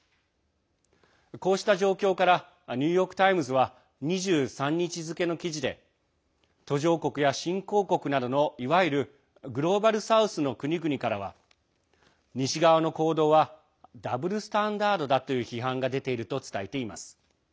こうした状況からニューヨーク・タイムズは２３日付の記事で途上国や新興国などのいわゆるグローバル・サウスの国々からは西側の行動はダブルスタンダードだという批判が出ていると伝えています。